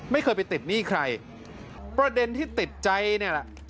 ไม่เคยไปติดหนี้ใครประเด็นที่ติดใจเนี่ยแหละ